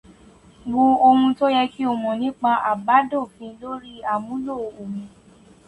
Wo òhun tó yẹ kí o mọ nípa Àbádòfin lórí àmúlò omi.